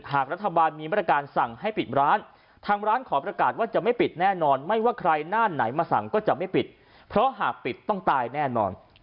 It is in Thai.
หากรัฐบาลมีบริการสั่งให้ปิดร้าน